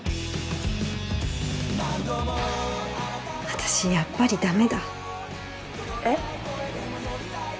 私やっぱりダメだえっ？